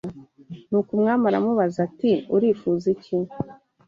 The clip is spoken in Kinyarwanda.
Nuko umwami aramubaza ati urifuza iki